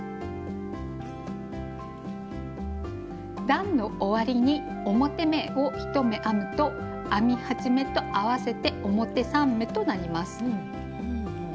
段の終わりに表目を１目編むと編み始めと合わせて表３目となります。